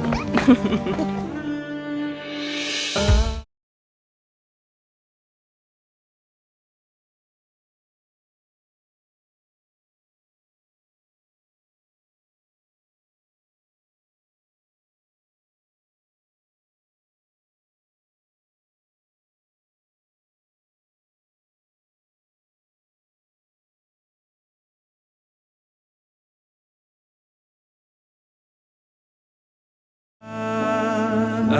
tadi kata ada yang